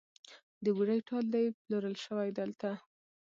د بوډۍ ټال دی پلورل شوی دلته